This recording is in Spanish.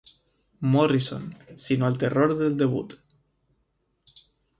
Morrison, sino al terror del debut.